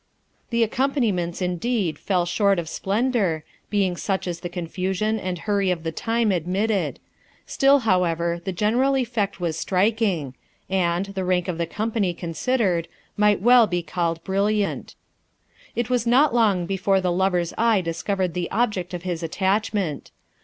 The accompaniments, indeed, fell short of splendour, being such as the confusion and hurry of the time admitted; still, however, the general effect was striking, and, the rank of the company considered, might well be called brilliant. It was not long before the lover's eye discovered the object of his attachment.